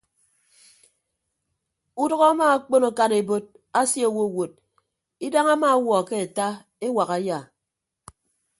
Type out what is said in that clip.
Udʌk ama akpon akan ebot asie owowot idañ ama ọwuọ ke ata ewak aya.